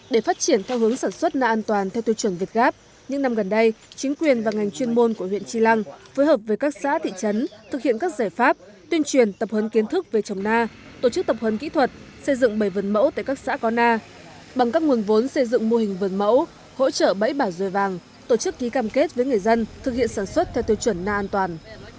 để phát triển theo hướng sản xuất na an toàn theo tiêu chuẩn việt gáp những năm gần đây chính quyền và ngành chuyên môn của huyện trì lăng phối hợp với các xã thị trấn thực hiện các giải pháp tuyên truyền tập hấn kiến thức về trồng na tổ chức tập hấn kỹ thuật xây dựng bầy vườn mẫu tại các xã có na bằng các nguồn vốn xây dựng mô hình vườn mẫu hỗ trợ bẫy bảo dồi vàng tổ chức ký cam kết với người dân thực hiện sản xuất theo tiêu chuẩn na an toàn